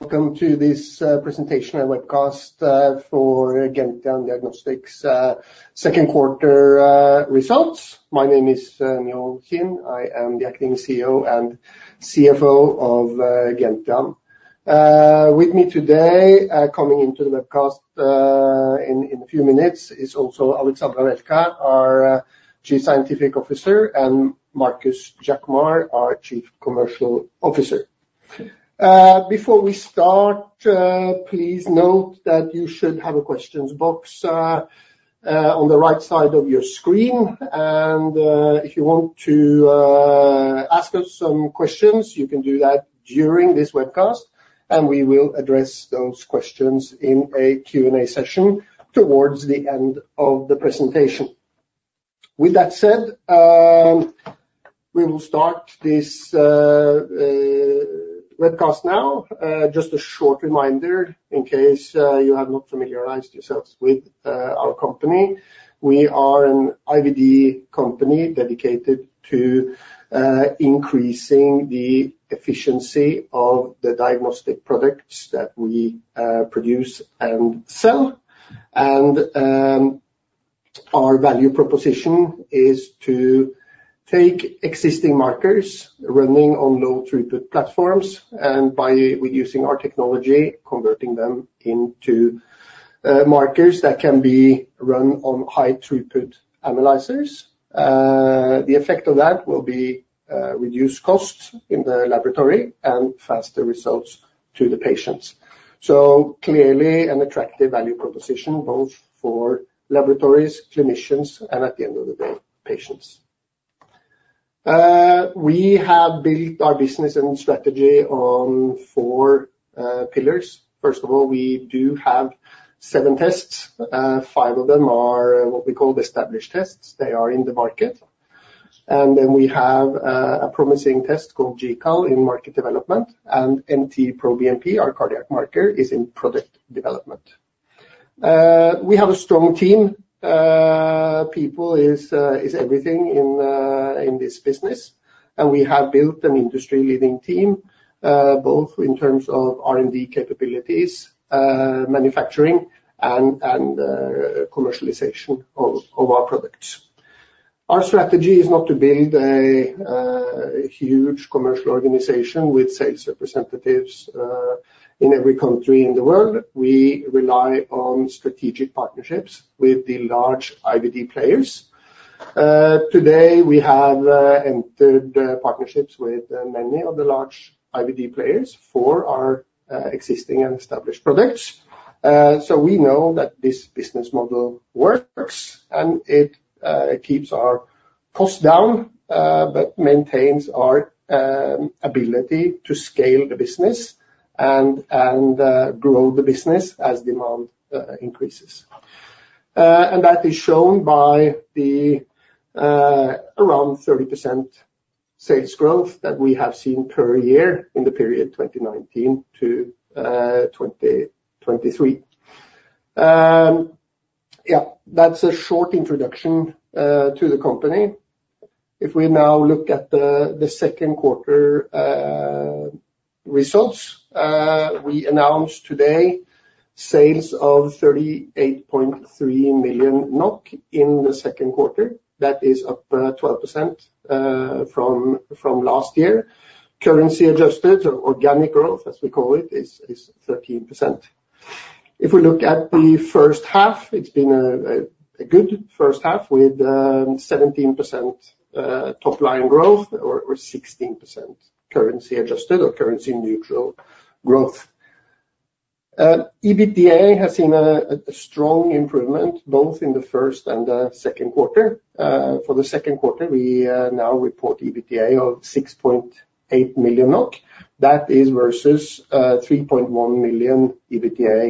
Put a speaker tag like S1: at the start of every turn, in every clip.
S1: Welcome to this presentation and webcast for Gentian Diagnostics second quarter results. My name is Njaal Kind. I am the acting CEO and CFO of Gentian. With me today, coming into the webcast in a few minutes, is also Aleksandra Havelka, our Chief Scientific Officer, and Markus Jaquemar, our Chief Commercial Officer. Before we start, please note that you should have a questions box on the right side of your screen, and if you want to ask us some questions, you can do that during this webcast, and we will address those questions in a Q&A session towards the end of the presentation. With that said, we will start this webcast now. Just a short reminder, in case you have not familiarized yourselves with our company. We are an IVD company dedicated to increasing the efficiency of the diagnostic products that we produce and sell, and our value proposition is to take existing markers running on low-throughput platforms, and by using our technology, converting them into markers that can be run on high-throughput analyzers. The effect of that will be reduced costs in the laboratory and faster results to the patients, so clearly an attractive value proposition, both for laboratories, clinicians, and, at the end of the day, patients. We have built our business and strategy on four pillars. First of all, we do have seven tests. Five of them are what we call established tests. They are in the market, and then we have a promising test called GCAL in market development, and NT-proBNP, our cardiac marker, is in product development. We have a strong team. People is everything in this business, and we have built an industry-leading team both in terms of R&D capabilities, manufacturing, and commercialization of our products. Our strategy is not to build a huge commercial organization with sales representatives in every country in the world. We rely on strategic partnerships with the large IVD players. Today, we have entered partnerships with many of the large IVD players for our existing and established products. So we know that this business model works, and it keeps our costs down but maintains our ability to scale the business and grow the business as demand increases. And that is shown by the around 30% sales growth that we have seen per year in the period 2019 to 2023. Yeah, that's a short introduction to the company. If we now look at the second quarter results we announced today sales of 38.3 million NOK in the second quarter. That is up 12% from last year. Currency adjusted, or organic growth, as we call it, is 13%. If we look at the first half, it's been a good first half, with 17% top line growth, or 16% currency adjusted or currency neutral growth. EBITDA has seen a strong improvement, both in the first and the second quarter. For the second quarter, we now report EBITDA of 6.8 million NOK. That is versus 3.1 million EBITDA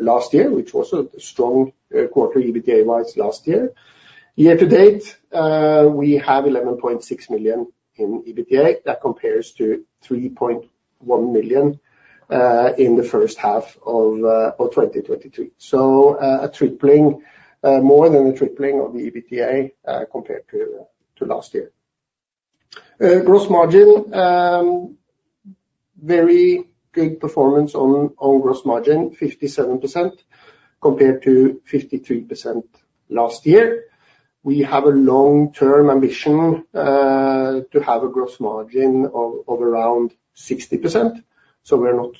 S1: last year, which was a strong quarter EBITDA-wise last year. Year-to-date, we have 11.6 million in EBITDA. That compares to 3.1 million in the first half of 2023. So, a tripling, more than a tripling of the EBITDA, compared to last year. Gross margin, very good performance on gross margin, 57% compared to 53% last year. We have a long-term ambition to have a gross margin of around 60%, so we're not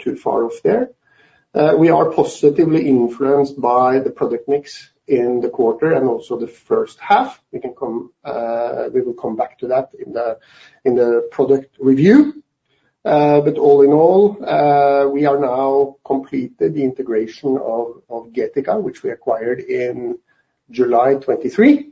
S1: too far off there. We are positively influenced by the product mix in the quarter and also the first half. We will come back to that in the product review. But all in all, we are now completed the integration of Gentian AB, which we acquired in July 2023,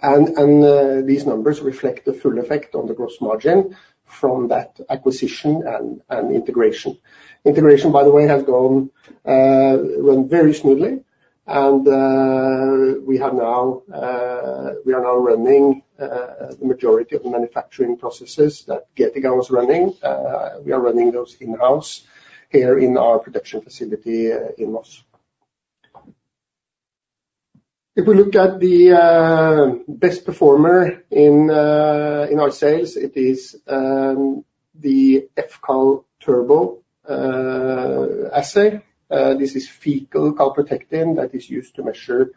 S1: and these numbers reflect the full effect on the gross margin from that acquisition and integration. Integration, by the way, has gone very smoothly, and we are now running the majority of the manufacturing processes that Gentian AB was running. We are running those in-house here in our production facility in Moss. If we look at the best performer in our sales, it is the fCAL turbo assay. This is fecal calprotectin that is used to measure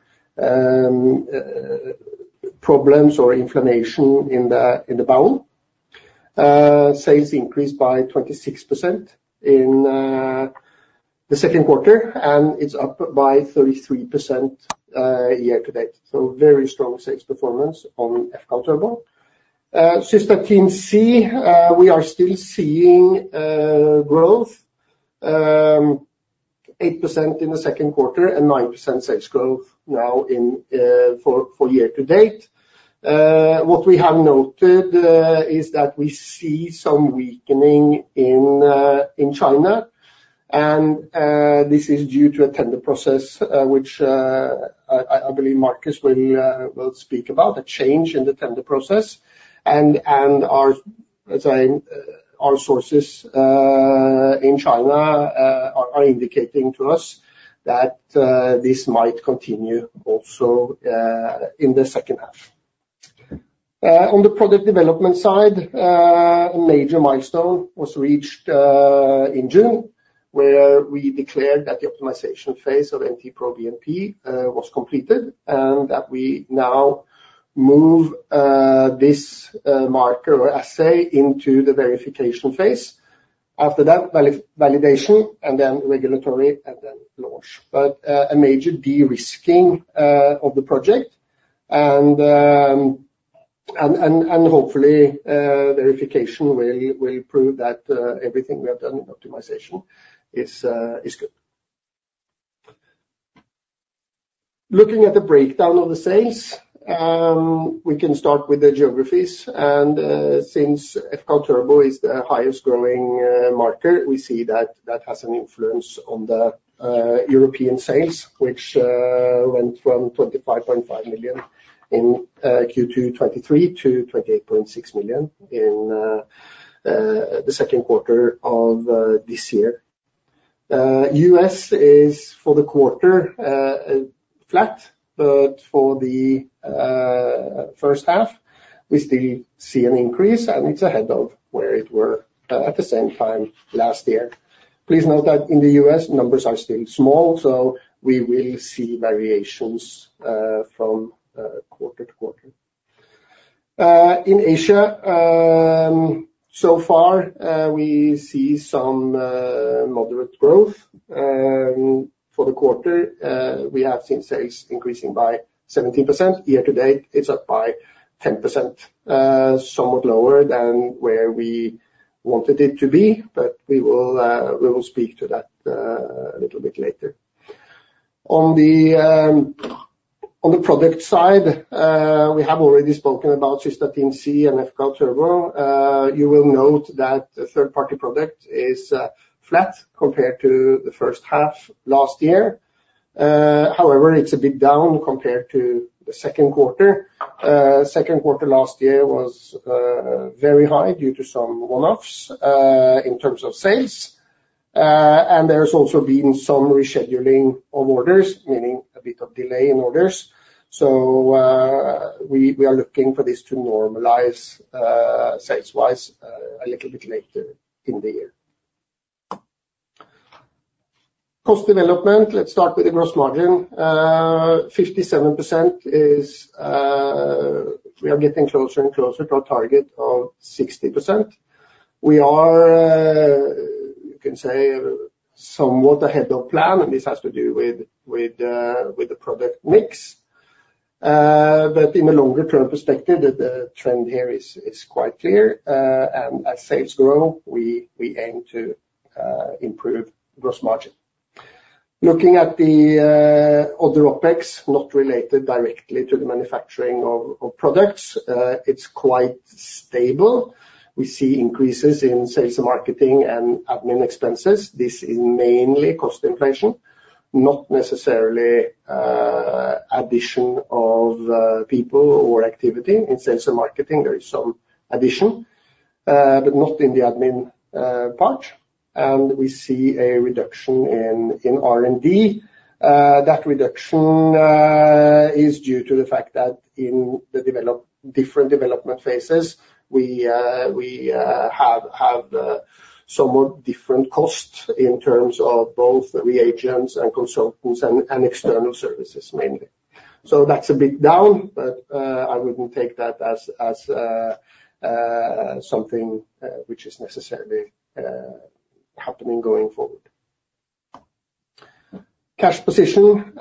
S1: problems or inflammation in the bowel. Sales increased by 26% in the second quarter, and it's up by 33% year-to-date, so very strong sales performance on fCAL turbo. Cystatin C, we are still seeing growth, 8% in the second quarter and 9% sales growth now for year-to-date. What we have noted is that we see some weakening in China, and this is due to a tender process, which I believe Markus will speak about, a change in the tender process, and our sources in China are indicating to us that this might continue also in the second half. On the product development side, a major milestone was reached in June, where we declared that the optimization phase of NT-proBNP was completed, and that we now move this marker or assay into the verification phase. After that, validation, and then regulatory, and then launch. But a major de-risking of the project, and hopefully verification will prove that everything we have done in optimization is good. Looking at the breakdown of the sales, we can start with the geographies, and since fCAL turbo is the highest growing marker, we see that that has an influence on the European sales, which went from 25.5 million in Q2 2023 to 28.6 million in the second quarter of this year. U.S. is, for the quarter, flat, but for the first half, we still see an increase, and it's ahead of where it were at the same time last year. Please note that in the U.S., numbers are still small, so we will see variations from quarter to quarter. In Asia, so far, we see some moderate growth. For the quarter, we have seen sales increasing by 17%. Year-to-date, it's up by 10%, somewhat lower than where we wanted it to be, but we will speak to that a little bit later. On the product side, we have already spoken about Cystatin C and fCAL turbo. You will note that the third-party product is flat compared to the first half last year. However, it's a bit down compared to the second quarter. Second quarter last year was very high due to some one-offs in terms of sales. And there's also been some rescheduling of orders, meaning a bit of delay in orders. We are looking for this to normalize sales-wise a little bit later in the year. Cost development, let's start with the gross margin. 57% is. We are getting closer and closer to our target of 60%. We are, you can say, somewhat ahead of plan, and this has to do with the product mix, but in the longer-term perspective, the trend here is quite clear, and as sales grow, we aim to improve gross margin. Looking at the other OpEx, not related directly to the manufacturing of products, it's quite stable. We see increases in sales and marketing and admin expenses. This is mainly cost inflation, not necessarily addition of people or activity. In sales and marketing, there is some addition, but not in the admin part, and we see a reduction in R&D. That reduction is due to the fact that in the different development phases, we have somewhat different costs in terms of both reagents and consultants and external services, mainly. So that's a bit down, but I wouldn't take that as something which is necessarily happening going forward. Cash position.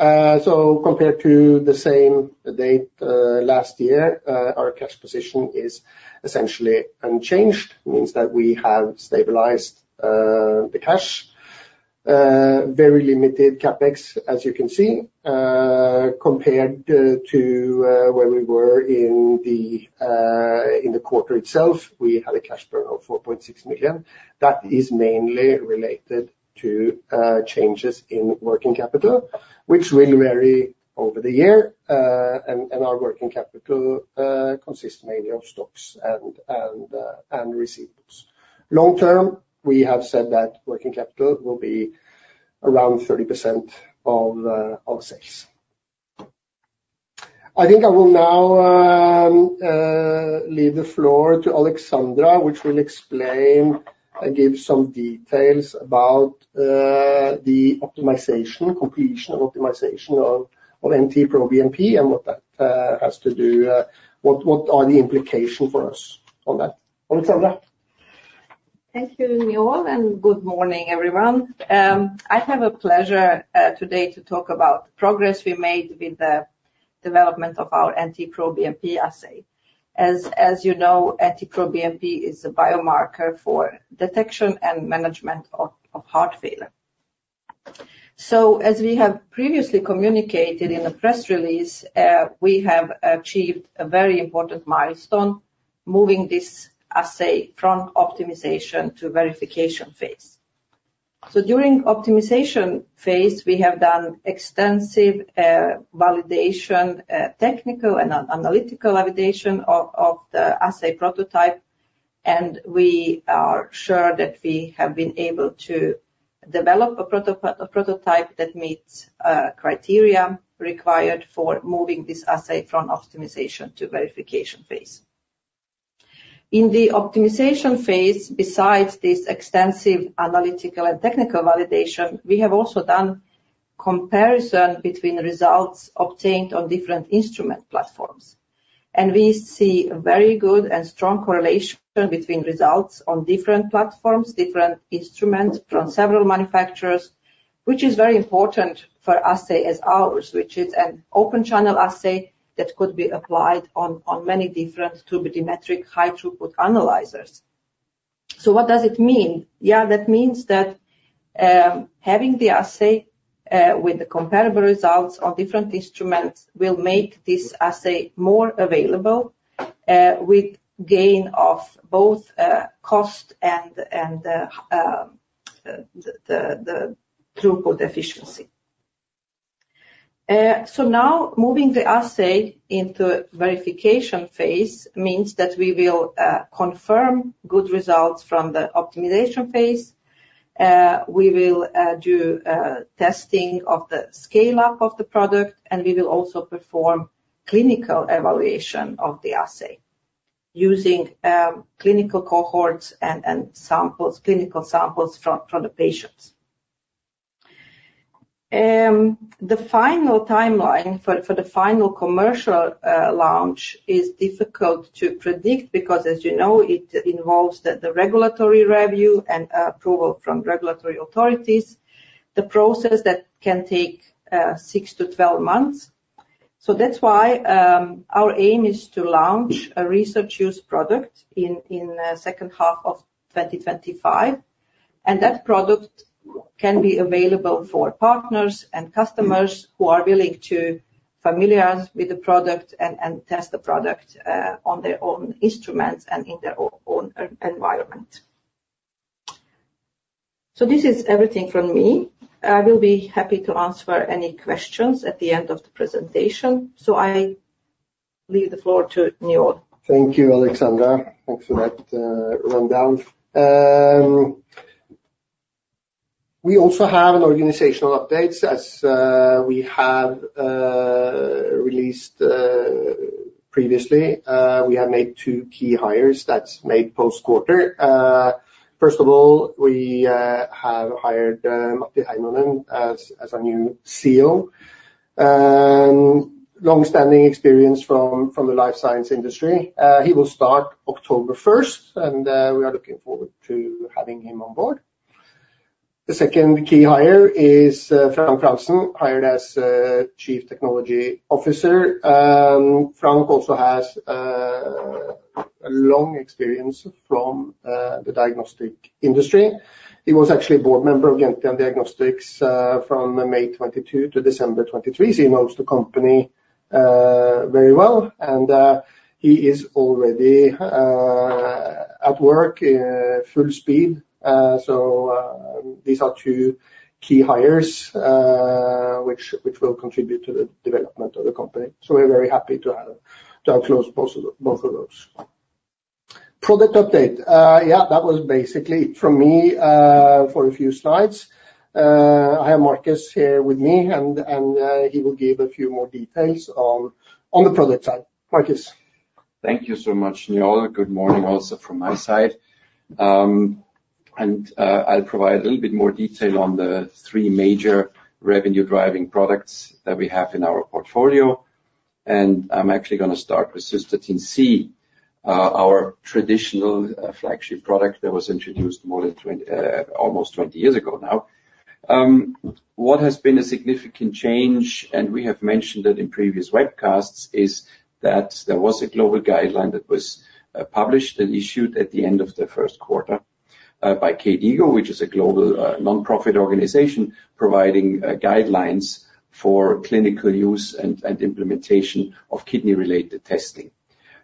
S1: So compared to the same date last year, our cash position is essentially unchanged, means that we have stabilized the cash. Very limited CapEx, as you can see. Compared to where we were in the quarter itself, we had a cash burn of 4.6 million. That is mainly related to changes in working capital, which will vary over the year, and our working capital consists mainly of stocks and receivables. Long term, we have said that working capital will be around 30% of sales. I think I will now leave the floor to Aleksandra, which will explain and give some details about the optimization, completion and optimization of NT-proBNP, and what that has to do, what are the implications for us on that? Aleksandra.
S2: Thank you, Njaal, and good morning, everyone. I have the pleasure today to talk about progress we made with the development of our NT-proBNP assay. As you know, NT-proBNP is a biomarker for detection and management of heart failure, so as we have previously communicated in a press release, we have achieved a very important milestone, moving this assay from optimization to verification phase, so during optimization phase, we have done extensive validation, technical and analytical validation of the assay prototype, and we are sure that we have been able to develop a prototype that meets criteria required for moving this assay from optimization to verification phase. In the optimization phase, besides this extensive analytical and technical validation, we have also done comparison between results obtained on different instrument platforms. We see a very good and strong correlation between results on different platforms, different instruments from several manufacturers, which is very important for assay as ours, which is an open channel assay that could be applied on many different turbidimetric high-throughput analyzers. What does it mean? Yeah, that means that having the assay with the comparable results on different instruments will make this assay more available with gain of both cost and the throughput efficiency. Now, moving the assay into verification phase means that we will confirm good results from the optimization phase. We will do testing of the scale-up of the product, and we will also perform clinical evaluation of the assay using clinical cohorts and clinical samples from the patients. The final timeline for the final commercial launch is difficult to predict because, as you know, it involves the regulatory review and approval from regulatory authorities, the process that can take six to twelve months, so that's why our aim is to launch a research use product in the second half of 2025, and that product can be available for partners and customers who are willing to familiarize with the product and test the product on their own instruments and in their own environment, so this is everything from me. I will be happy to answer any questions at the end of the presentation, so I leave the floor to Njaal.
S1: Thank you, Aleksandra. Thanks for that rundown. We also have organizational updates as we have released previously. We have made two key hires that were made post-quarter. First of all, we have hired Matti Heinonen as our new CEO. Long-standing experience from the life science industry. He will start October first, and we are looking forward to having him on board. The second key hire is Frank Frantzen, hired as Chief Technology Officer. Frank also has a long experience from the diagnostic industry. He was actually a board member of Gentian Diagnostics from May 2022 to December 2023. So he knows the company very well, and he is already at work full speed. So, these are two key hires, which will contribute to the development of the company. So we're very happy to have closed both of those. Product update. Yeah, that was basically it from me for a few slides. I have Markus here with me, and he will give a few more details on the product side. Markus?
S3: Thank you so much, Njaal. Good morning also from my side. And I'll provide a little bit more detail on the three major revenue-driving products that we have in our portfolio, and I'm actually gonna start with Cystatin C, our traditional, flagship product that was introduced almost 20 years ago now. What has been a significant change, and we have mentioned it in previous webcasts, is that there was a global guideline that was published and issued at the end of the first quarter by KDIGO, which is a global nonprofit organization providing guidelines for clinical use and implementation of kidney-related testing.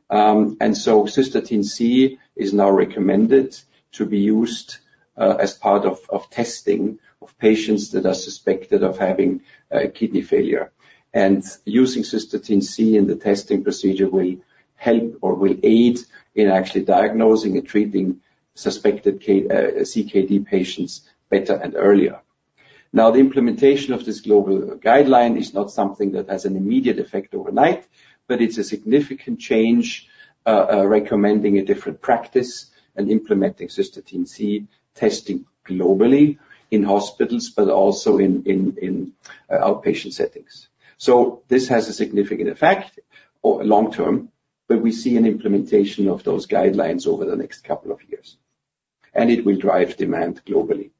S3: And so Cystatin C is now recommended to be used as part of testing of patients that are suspected of having kidney failure. Using Cystatin C in the testing procedure will help or will aid in actually diagnosing and treating suspected CKD patients better and earlier. Now, the implementation of this global guideline is not something that has an immediate effect overnight, but it's a significant change, recommending a different practice and implementing Cystatin C testing globally in hospitals, but also in outpatient settings. This has a significant effect long term, but we see an implementation of those guidelines over the next couple of years, and it will drive demand globally.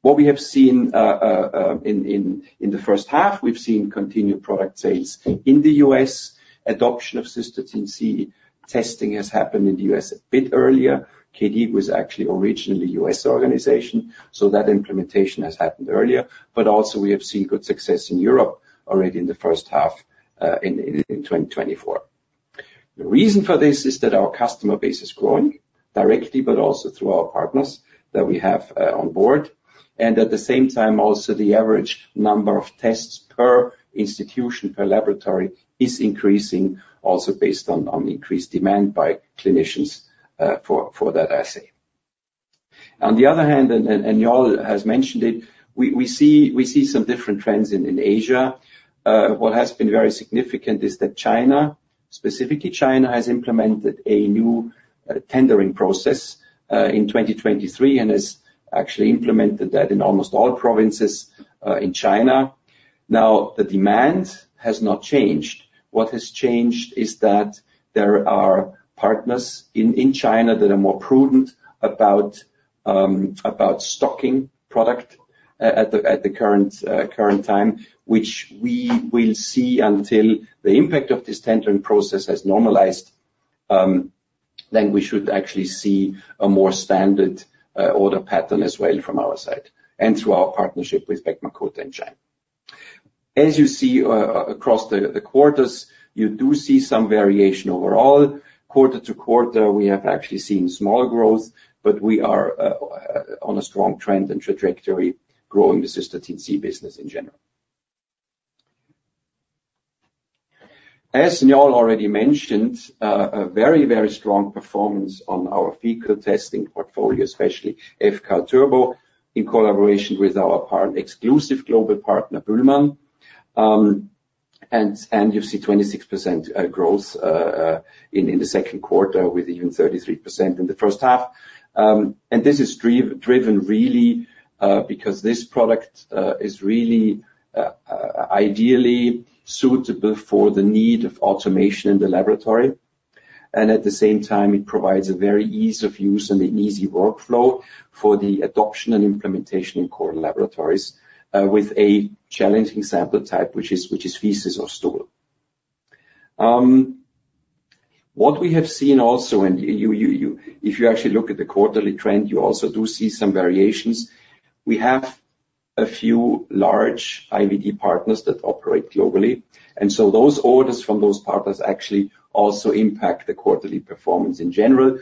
S3: What we have seen in the first half, we've seen continued product sales. In the US, adoption of Cystatin C testing has happened in the US a bit earlier. KDIGO was actually originally a US organization, so that implementation has happened earlier. But also we have seen good success in Europe already in the first half in 2024. The reason for this is that our customer base is growing directly, but also through our partners that we have on board. And at the same time, also, the average number of tests per institution, per laboratory, is increasing, also based on increased demand by clinicians for that assay. On the other hand, and Njaal has mentioned it, we see some different trends in Asia. What has been very significant is that China, specifically China, has implemented a new tendering process in 2023 and has actually implemented that in almost all provinces in China. Now, the demand has not changed. What has changed is that there are partners in China that are more prudent about stocking product at the current time, which we will see until the impact of this tendering process has normalized, then we should actually see a more standard order pattern as well from our side and through our partnership with Beckman Coulter in China. As you see, across the quarters, you do see some variation overall. Quarter to quarter, we have actually seen small growth, but we are on a strong trend and trajectory growing the cystatin C business in general. As Njaal already mentioned, a very, very strong performance on our fecal testing portfolio, especially fCAL turbo, in collaboration with our exclusive global partner, Bühlmann. and you see 26% growth in the second quarter, with even 33% in the first half. and this is driven really because this product is really ideally suitable for the need of automation in the laboratory. And at the same time, it provides a very ease of use and an easy workflow for the adoption and implementation in core laboratories with a challenging sample type, which is feces or stool. What we have seen also, and if you actually look at the quarterly trend, you also do see some variations. We have a few large IVD partners that operate globally, and so those orders from those partners actually also impact the quarterly performance in general.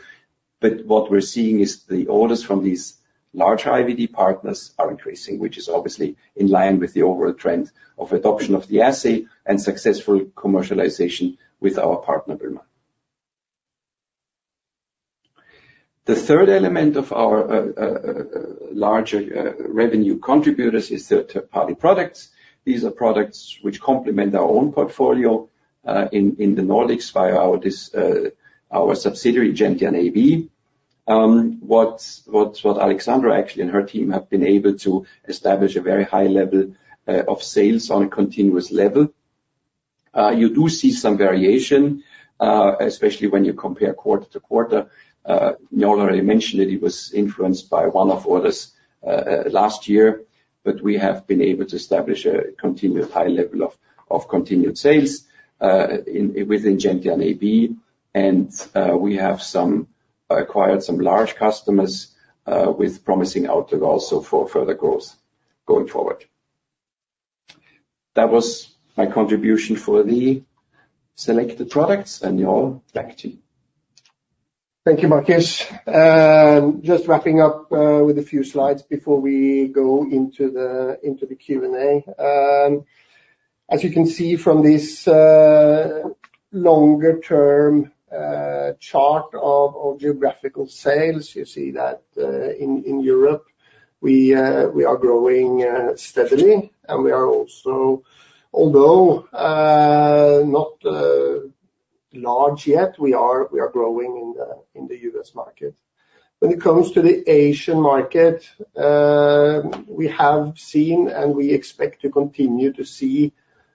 S3: But what we're seeing is the orders from these larger IVD partners are increasing, which is obviously in line with the overall trend of adoption of the assay and successful commercialization with our partner, Bühlmann. The third element of our larger revenue contributors is third-party products. These are products which complement our own portfolio in the Nordics via our subsidiary, Gentian AB. What Alexandra actually and her team have been able to establish a very high level of sales on a continuous level. You do see some variation, especially when you compare quarter to quarter. Njaal already mentioned that it was influenced by one-off orders last year, but we have been able to establish a continuous high level of continued sales within Gentian AB. We have acquired some large customers with promising outlook also for further growth going forward. That was my contribution for the selected products. Njaal, back to you.
S1: Thank you, Markus. Just wrapping up with a few slides before we go into the Q&A. As you can see from this longer term chart of geographical sales, you see that in Europe, we are growing steadily, and we are also—although not large yet, we are growing in the U.S. market. When it comes to the Asian market, we have seen and we expect to continue to see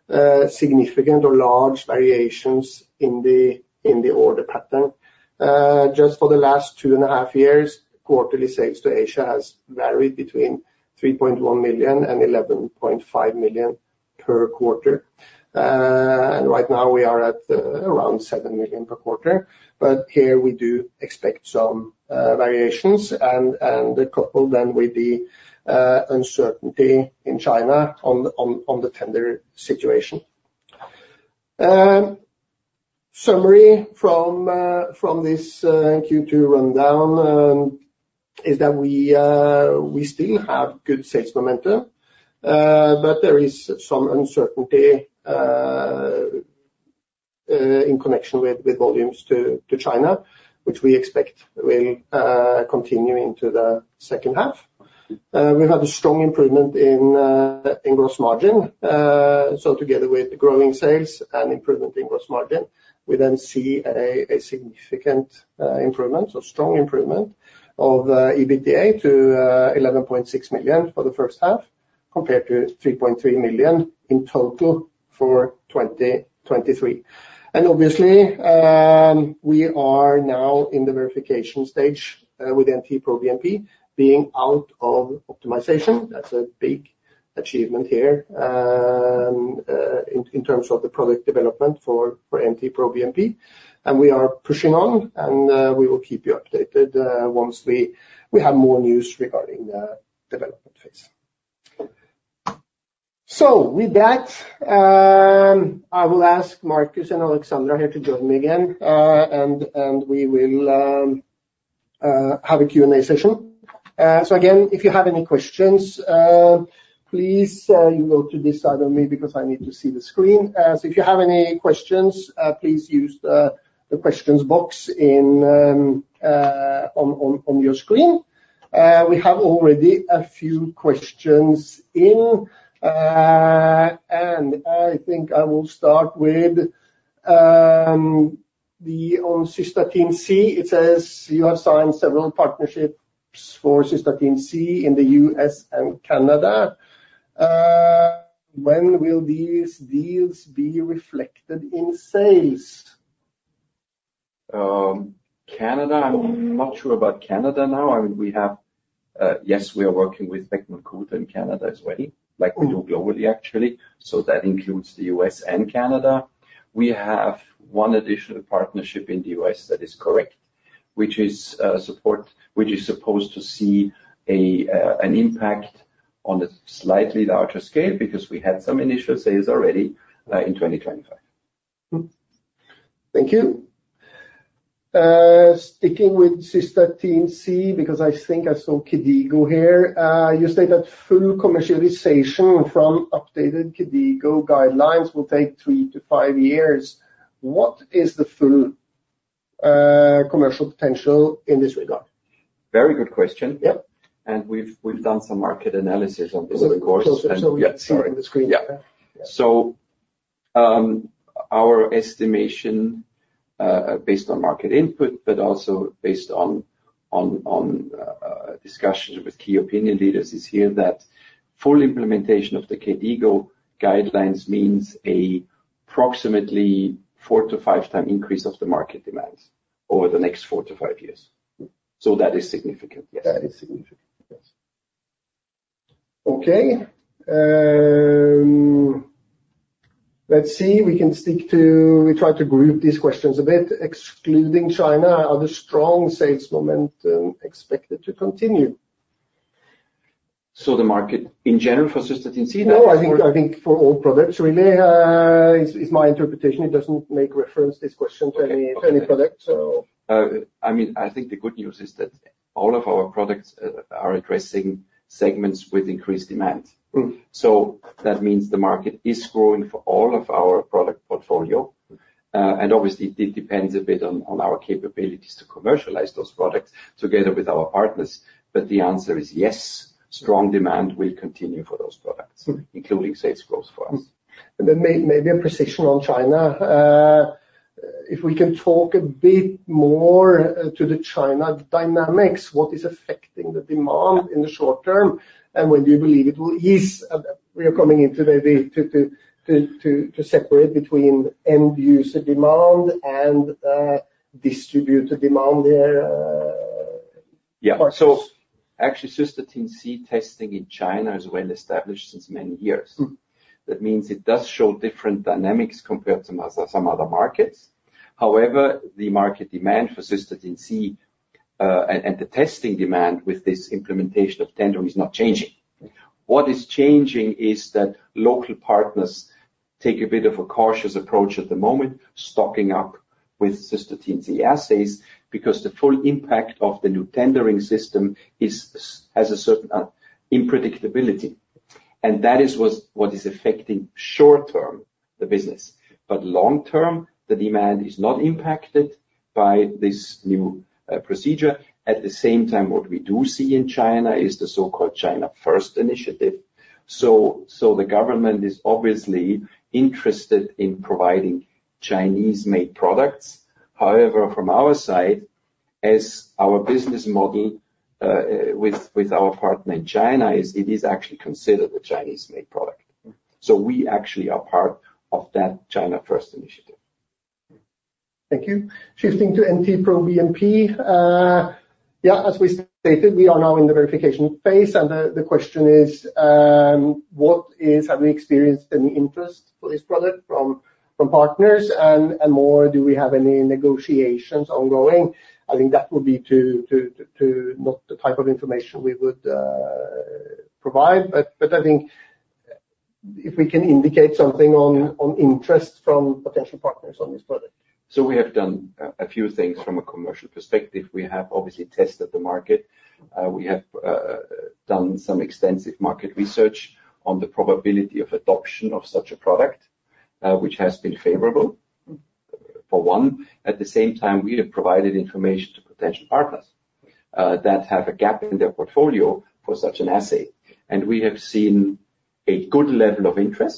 S1: significant or large variations in the order pattern. Just for the last two and a half years, quarterly sales to Asia has varied between 3.1 million and 11.5 million per quarter, and right now we are at around 7 million per quarter. But here we do expect some variations and coupled then with the uncertainty in China on the tender situation. Summary from this Q2 rundown is that we still have good sales momentum, but there is some uncertainty in connection with volumes to China, which we expect will continue into the second half. We had a strong improvement in gross margin. So together with growing sales and improvement in gross margin, we then see a significant improvement, or strong improvement of EBITDA to 11.6 million for the first half, compared to 3.3 million in total for 2023. Obviously, we are now in the verification stage with NT-proBNP being out of optimization. That's a big achievement here, in terms of the product development for NT-proBNP, and we are pushing on, and we will keep you updated once we have more news regarding the development phase. So with that, I will ask Markus and Aleksandra here to join me again, and we will have a Q&A session. So again, if you have any questions, please you go to this side of me, because I need to see the screen. So if you have any questions, please use the questions box in on your screen. We have already a few questions in, and I think I will start with the one on Cystatin C. It says, "You have signed several partnerships for Cystatin C in the U.S. and Canada. When will these deals be reflected in sales?
S3: Canada, I'm not sure about Canada now. I mean, we have yes, we are working with Becton Dickinson in Canada as well, like we do globally, actually, so that includes the U.S. and Canada. We have one additional partnership in the U.S., that is correct, which is supposed to see a an impact on a slightly larger scale, because we had some initial sales already in 2025.
S1: Thank you. Sticking with Cystatin C, because I think I saw KDIGO here. You state that full commercialization from updated KDIGO guidelines will take three to five years. What is the full commercial potential in this regard?
S3: Very good question.
S1: Yep.
S3: We've done some market analysis on this, of course.
S1: Closer, so we can see on the screen.
S3: Yeah. So, our estimation, based on market input, but also based on discussions with key opinion leaders, is here that full implementation of the KDIGO guidelines means an approximately four to five time increase of the market demands over the next four to five years. So that is significant. Yes, that is significant, yes.
S1: Okay. Let's see. We can stick to, we try to group these questions a bit. Excluding China, are the strong sales momentum expected to continue?
S3: So the market in general for Cystatin C?
S1: No, I think, I think for all products really, is my interpretation. It doesn't make reference, this question, to any product. So—
S3: I mean, I think the good news is that all of our products are addressing segments with increased demand. So that means the market is growing for all of our product portfolio. And obviously, it depends a bit on our capabilities to commercialize those products together with our partners. But the answer is yes, strong demand will continue for those products, including sales growth for us.
S1: And then maybe a precision on China. If we can talk a bit more to the China dynamics, what is affecting the demand in the short term, and when do you believe it will ease? We are coming to separate between end user demand and distributor demand there.
S3: Yeah. So actually, Cystatin C testing in China is well established since many years. That means it does show different dynamics compared to some other markets. However, the market demand for Cystatin C and the testing demand with this implementation of tendering is not changing. What is changing is that local partners take a bit of a cautious approach at the moment, stocking up with Cystatin C assays, because the full impact of the new tendering system has a certain unpredictability. And that is what's affecting short-term the business. But long-term, the demand is not impacted by this new procedure. At the same time, what we do see in China is the so-called China First initiative, so the government is obviously interested in providing Chinese-made products. However, from our side, as our business model with our partner in China is actually considered a Chinese-made product. So we actually are part of that China First initiative.
S1: Thank you. Shifting to NT-proBNP, as we stated, we are now in the verification phase, and the question is, have we experienced any interest for this product from partners? And more, do we have any negotiations ongoing? I think that would be not the type of information we would provide, but I think if we can indicate something on interest from potential partners on this product.
S3: So we have done a few things from a commercial perspective. We have obviously tested the market. We have done some extensive market research on the probability of adoption of such a product, which has been favorable, for one. At the same time, we have provided information to potential partners that have a gap in their portfolio for such an assay, and we have seen a good level of interest.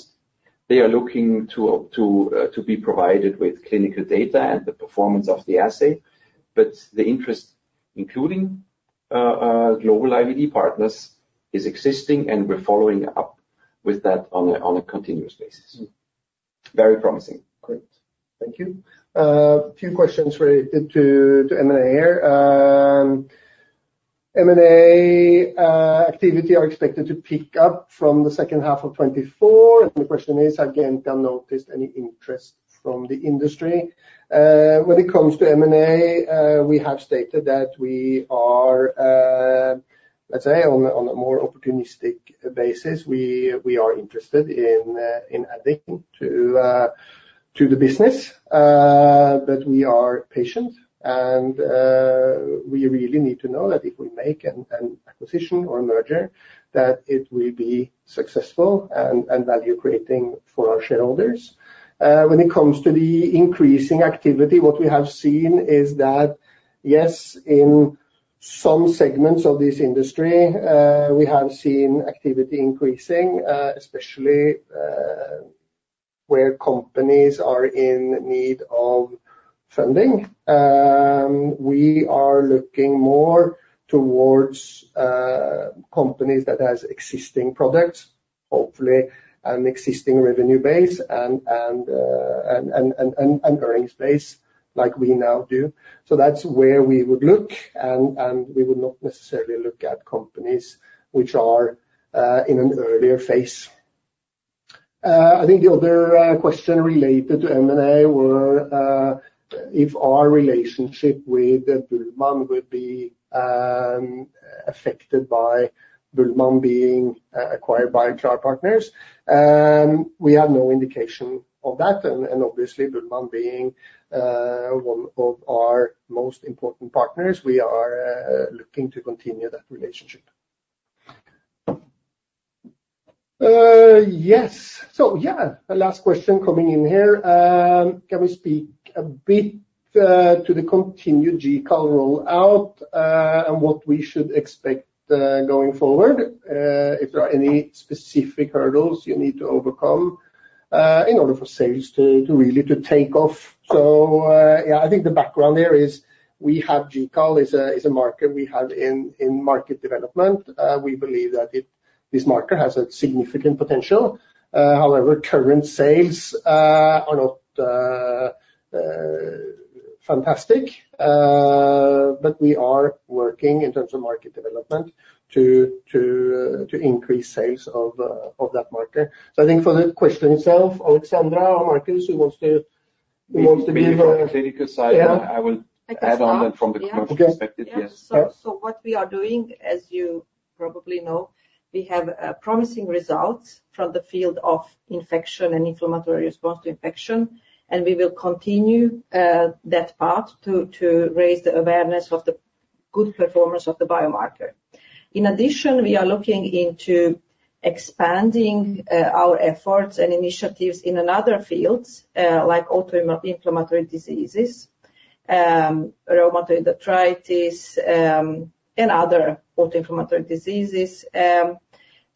S3: They are looking to be provided with clinical data and the performance of the assay, but the interest, including global IVD partners, is existing, and we're following up with that on a continuous basis. Very promising.
S1: Great. Thank you. A few questions related to M&A here. M&A activity are expected to pick up from the second half of 2024, and the question is: Have Gentian noticed any interest from the industry? When it comes to M&A, we have stated that we are, let's say, on a more opportunistic basis, we are interested in adding to the business. But we are patient, and we really need to know that if we make an acquisition or a merger, that it will be successful and value-creating for our shareholders. When it comes to the increasing activity, what we have seen is that, yes, in some segments of this industry, we have seen activity increasing, especially where companies are in need of funding. We are looking more towards companies that has existing products, hopefully an existing revenue base and earnings base, like we now do. So that's where we would look, and we would not necessarily look at companies which are in an earlier phase. I think the other question related to M&A were if our relationship with Bühlmann would be affected by Bühlmann being acquired by DR Partners, we have no indication of that, and obviously, Bühlmann being one of our most important partners, we are looking to continue that relationship. Yeah, the last question coming in here: Can we speak a bit to the continued GCAL roll-out, and what we should expect going forward, if there are any specific hurdles you need to overcome, in order for sales to really take off? Yeah, I think the background there is we have GCAL is a market we have in market development. We believe that this market has a significant potential. However, current sales are not fantastic, but we are working in terms of market development to increase sales of that market. I think for the question itself, Aleksandra or Markus, who wants to be—
S3: Clinical side—
S1: Yeah.
S3: I will add on that from the commercial perspective.
S2: Yes.
S3: Yes.
S1: Yeah.
S2: So what we are doing, as you probably know, we have promising results from the field of infection and inflammatory response to infection, and we will continue that part to raise the awareness of the good performance of the biomarker. In addition, we are looking into expanding our efforts and initiatives in another fields like autoinflammatory diseases, rheumatoid arthritis, and other autoinflammatory diseases.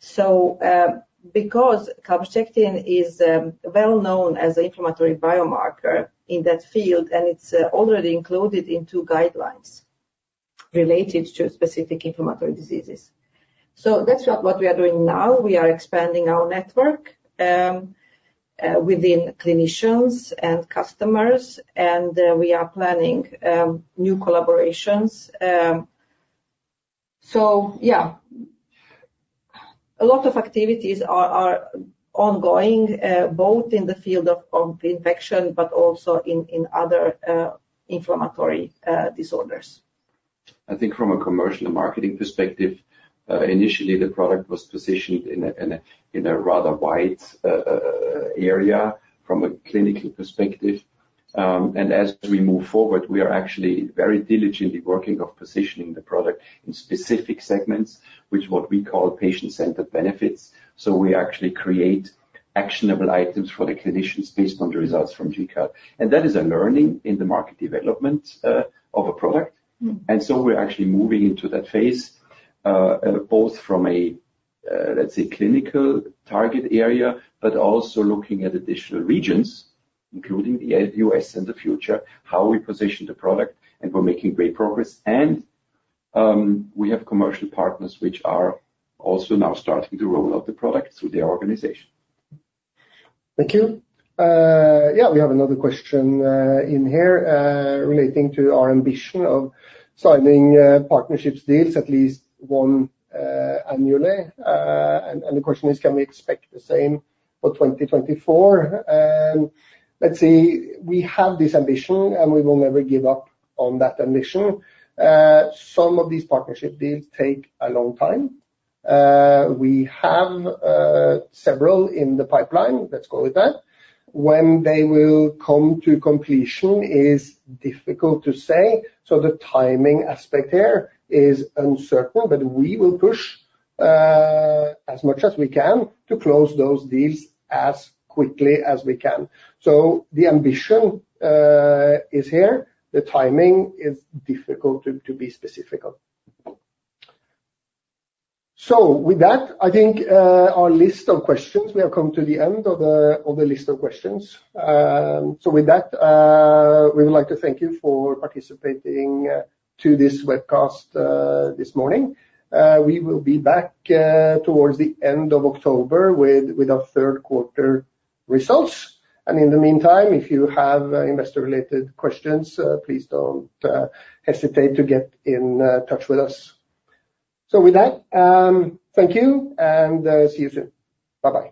S2: So because calprotectin is well known as an inflammatory biomarker in that field, and it's already included in two guidelines related to specific inflammatory diseases. So that's what we are doing now. We are expanding our network within clinicians and customers, and we are planning new collaborations. So yeah, a lot of activities are ongoing, both in the field of infection, but also in other inflammatory disorders.
S3: I think from a commercial and marketing perspective, initially the product was positioned in a rather wide area from a clinical perspective, and as we move forward, we are actually very diligently working of positioning the product in specific segments, which what we call patient-centered benefits. So we actually create actionable items for the clinicians based on the results from GCAL. And that is a learning in the market development of a product. And so we're actually moving into that phase, both from a, let's say, clinical target area, but also looking at additional regions, including the US and the future, how we position the product, and we're making great progress. And, we have commercial partners, which are also now starting to roll out the product through their organization.
S1: Thank you. Yeah, we have another question in here relating to our ambition of signing partnerships deals, at least one annually. And the question is: Can we expect the same for 2024? Let's see, we have this ambition, and we will never give up on that ambition. Some of these partnership deals take a long time. We have several in the pipeline, let's go with that. When they will come to completion is difficult to say, so the timing aspect here is uncertain, but we will push as much as we can to close those deals as quickly as we can. So the ambition is here. The timing is difficult to be specific on. So with that, I think our list of questions, we have come to the end of the list of questions. So with that, we would like to thank you for participating to this webcast this morning. We will be back towards the end of October with our third quarter results. And in the meantime, if you have investor-related questions, please don't hesitate to get in touch with us. So with that, thank you, and see you soon. Bye-bye.